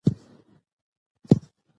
د ساینس او دین ترمنځ اړیکه ډېره مهمه ده.